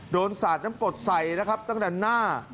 โดนสาดน้ำกดใส่ตั้งแต่หน้า